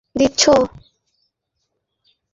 লড়াই না করে, তোমরা পরস্পরকে ফুল দিচ্ছো।